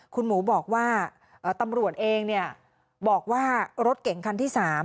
คุณหมูบอกว่าตำรวจเองบอกว่ารถเก่งคันที่๓